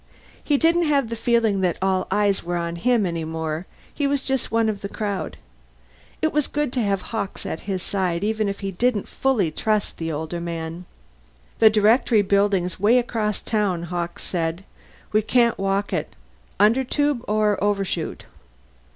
He didn't have the feeling that all eyes were on him, any more; he was just one of the crowd. It was good to have Hawkes at his side, even if he didn't fully trust the older man. "The Directory Building's way across town," Hawkes said. "We can't walk it. Undertube or Overshoot?"